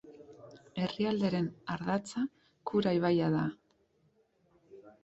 Herrialdearen ardatza Kura ibaia da.